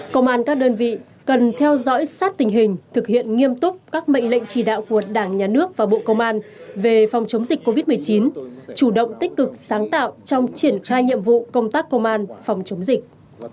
công an các đơn vị cần theo dõi sát tình hình thực hiện nghiêm túc các mệnh lệnh chỉ đạo của đảng nhà nước và bộ công an về phòng chống dịch covid một mươi chín chủ động tích cực sáng tạo trong triển khai nhiệm vụ công tác công an phòng chống dịch